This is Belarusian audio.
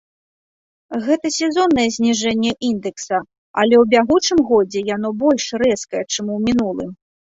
Гэта сезоннае зніжэнне індэкса, але ў бягучым годзе яно больш рэзкае, чым у мінулым.